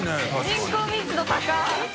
人口密度高い。